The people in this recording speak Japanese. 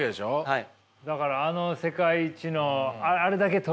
はい。